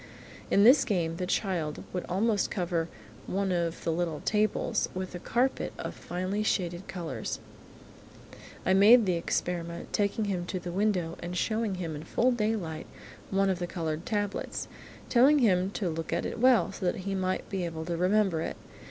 In this game the child would almost cover one of the little tables with a carpet of finely shaded colours. I made the experiment, taking him to the window and showing him in full daylight one of the coloured tablets, telling him to look at it well, so that he might be able to remember it.